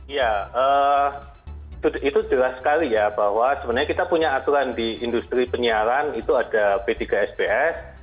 ya itu jelas sekali ya bahwa sebenarnya kita punya aturan di industri penyiaran itu ada p tiga sps